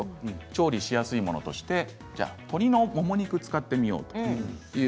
調理しやすいものとして鶏のもも肉を使ってみよう。